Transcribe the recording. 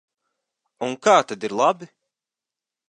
Un kā tad ir labi?